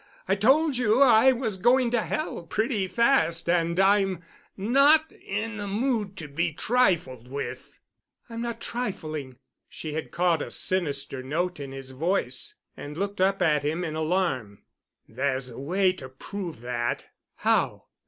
I told you I was going to Hell pretty fast, and I'm not in a mood to be trifled with." "I'm not trifling." She had caught a sinister note in his voice and looked up at him in alarm. "There's a way to prove that." "How?"